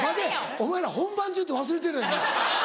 お前ら本番中って忘れてるやろ今。